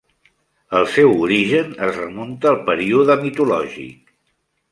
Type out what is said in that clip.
El seu origen es remunta al període mitològic.